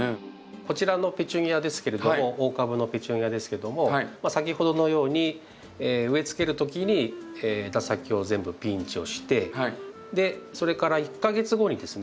こちらのペチュニアですけれども大株のペチュニアですけども先ほどのように植えつける時に枝先を全部ピンチをしてそれから１か月後にですね